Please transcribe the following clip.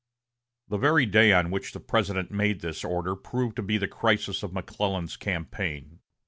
The very day on which the President made this order proved to be the crisis of McClellan's campaign.